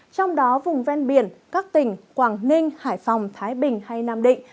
trong đó vùng ven biển các tỉnh quảng ninh hải phòng thái bình hay nam định